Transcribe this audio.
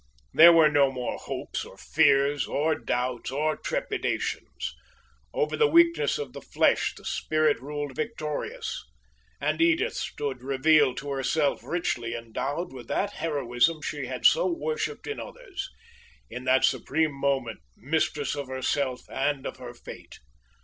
There were no more hopes or fears or doubts or trepidations. Over the weakness of the flesh the spirit ruled victorious, and Edith stood revealed to herself richly endowed with that heroism she had so worshiped in others in that supreme moment mistress of herself and of her fate.